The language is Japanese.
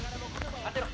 当てろ。